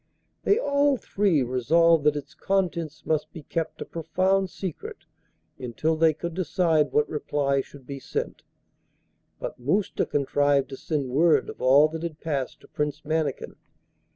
They all three resolved that its contents must be kept a profound secret until they could decide what reply should be sent, but Mousta contrived to send word of all that had passed to Prince Mannikin.